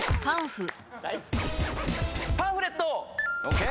パンフレット！